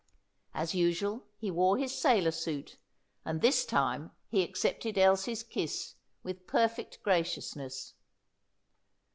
As usual, he wore his sailor suit, and this time he accepted Elsie's kiss with perfect graciousness.